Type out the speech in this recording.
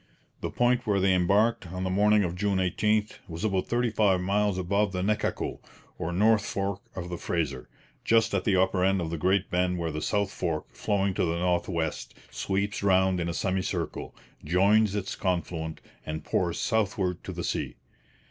The point where they embarked, on the morning of June 18, was about thirty five miles above the Nechaco, or north fork of the Fraser, just at the upper end of the great bend where the south fork, flowing to the north west, sweeps round in a semicircle, joins its confluent, and pours southward to the sea.